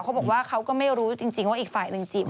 เขาบอกว่าเขาก็ไม่รู้จริงว่าอีกฝ่ายหนึ่งจริง